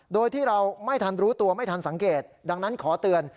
โดยที่เราไม่ทันรู้ตัวไม่ทันสังเกตดังนั้นขอเตือน